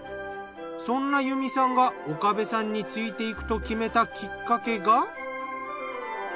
そんな由美さんが岡部さんについていくと決めたきっかけが。